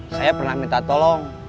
saya pernah minta tolong